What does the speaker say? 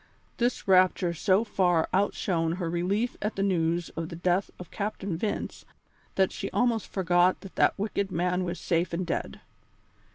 This rapture so far outshone her relief at the news of the death of Captain Vince that she almost forgot that that wicked man was safe and dead.